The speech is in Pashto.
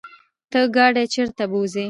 ته ګاډی چرته بوځې؟